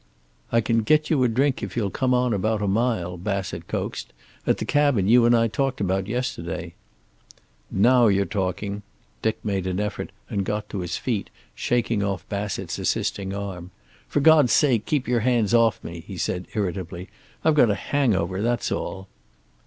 "I can get you a drink, if you'll come on about a mile," Bassett coaxed. "At the cabin you and I talked about yesterday." "Now you're talking." Dick made an effort and got to his feet, shaking off Bassett's assisting arm. "For God's sake keep your hands off me," he said irritably. "I've got a hangover, that's all."